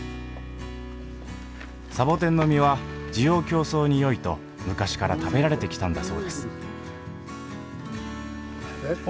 サボテンの実は滋養強壮によいと昔から食べられてきたんだそうですお！